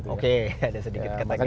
oke ada sedikit ketegangan